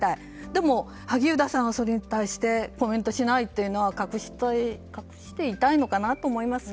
でも、萩生田さんはそれに対してコメントしないというのは隠していたいのかなと思います。